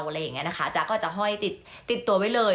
อะไรอย่างนี้นะคะจ๊ะก็จะห้อยติดติดตัวไว้เลย